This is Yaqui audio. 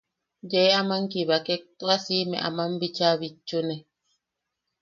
Yee aman kibakek tua siʼime aman bichaa bitchune.